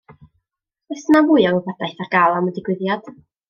Oes 'na fwy o wybodaeth ar gael am y digwyddiad?